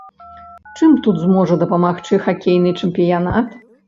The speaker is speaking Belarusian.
Чым тут зможа дапамагчы хакейны чэмпіянат?